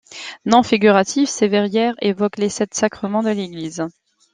Non figuratives, ces verrières évoquent les sept sacrements de l'Église.